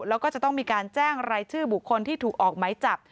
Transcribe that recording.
แล้วก็จะต้องมีการแจ้งรายชื่อบุคคลที่ถูกออกไหมจับ